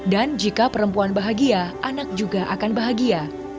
dan jika perempuan bahagia anak juga akan bahagia